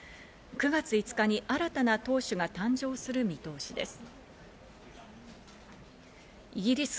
９月５日に新たな党首が誕生する見通しです。